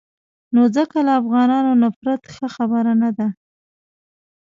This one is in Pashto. نو ځکه له افغانانو نفرت ښه خبره نه ده.